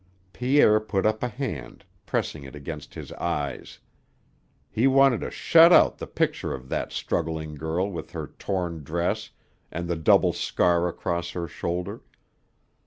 Pierre put up a hand, pressing it against his eyes. He wanted to shut out the picture of that struggling girl with her torn dress and the double scar across her shoulder.